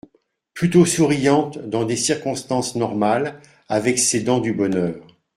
plutôt souriante dans des circonstances normales, avec ses dents du bonheur